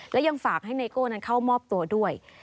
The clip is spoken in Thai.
และยังฝากให้ไนโก้นั้นเข้ามอบตัวด้วย